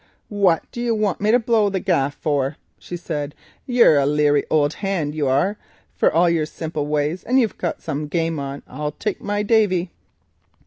"What do you want me to blow the gaff for?" she said; "you're a leery old hand, you are, for all your simple ways, and you've got some game on, I'll take my davy."